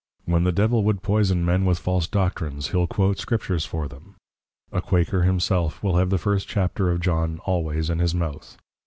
When the Devil would poyson men with false Doctrines, he'l quote Scriptures for them; a Quaker himself, will have the First Chapter of John always in his mouth.